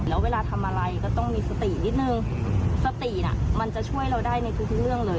แล้วเวลาทำอะไรก็ต้องมีสตินิดนึงสติน่ะมันจะช่วยเราได้ในทุกเรื่องเลย